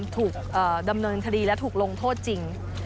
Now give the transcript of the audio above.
ถูกดำเนินคดีและถูกลงโทษจริง